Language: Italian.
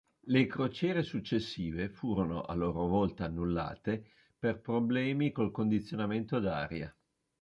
Le crociere successive furono a loro volta annullate per problemi col condizionamento d'aria.